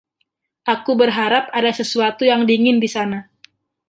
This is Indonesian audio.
Aku berharap ada sesuatu yang dingin di sana.